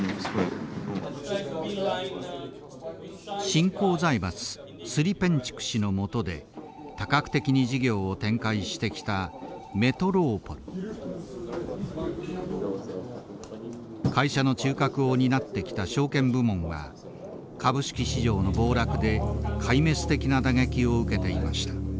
新興財閥スリペンチュク氏の下で多角的に事業を展開してきた会社の中核を担ってきた証券部門は株式市場の暴落で壊滅的な打撃を受けていました。